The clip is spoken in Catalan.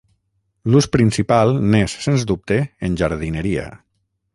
L'ús principal n'és sens dubte en jardineria.